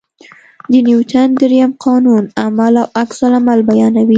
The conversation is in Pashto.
د نیوټن درېیم قانون عمل او عکس العمل بیانوي.